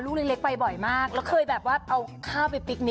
เต๋ออะไรไปลุ้ม้ายกโกดมากขนมเทียน